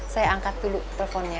saya angkat dulu teleponnya